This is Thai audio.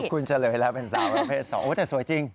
คุณเฉลยแล้วเป็นสาวประเภท๒แต่สวยจริง